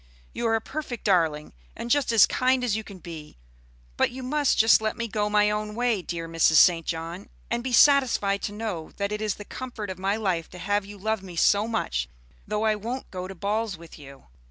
You are a perfect darling, and just as kind as you can be; but you must just let me go my own way, dear Mrs. St. John, and be satisfied to know that it is the comfort of my life to have you love me so much, though I won't go to balls with you."